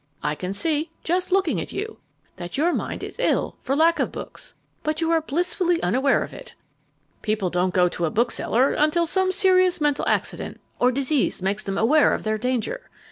I can see just by looking at you that your mind is ill for lack of books but you are blissfully unaware of it! People don't go to a bookseller until some serious mental accident or disease makes them aware of their danger.